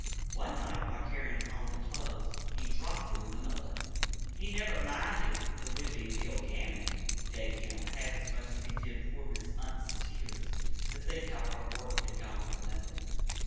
One night while carrying home the clothes, he dropped them in the mud. He never minded the whipping Bill Gammon gave him half as much as he did poor Mrs. Hunt's tears, to think how her work had gone for nothing.